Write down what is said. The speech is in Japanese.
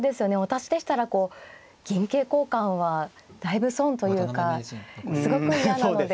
私でしたらこう銀桂交換はだいぶ損というかすごく嫌なので。